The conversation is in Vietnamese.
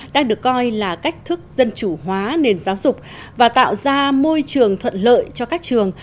đang được coi là cách thức dân chủ hóa nền giáo dục và tạo ra môi trường thuận lợi cho các trường